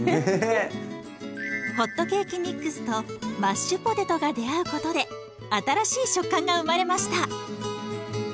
ホットケーキミックスとマッシュポテトが出会うことで新しい食感が生まれました。